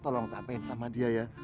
tolong ngapain sama dia ya